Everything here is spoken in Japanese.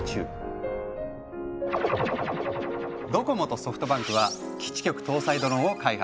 ドコモとソフトバンクは基地局搭載ドローンを開発。